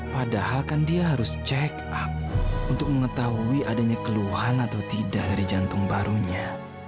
padahal kan dia harus check up untuk mengetahui adanya keluhan atau tidak dari jantung barunya